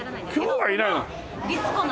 今日はいないの。